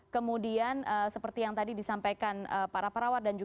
kemudian seperti yang tadi disampaikan ini masih belum dikenali betul